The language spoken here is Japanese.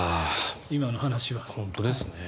今の話は。